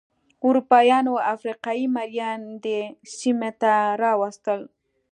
اروپایانو افریقايي مریان دې سیمې ته راوستل.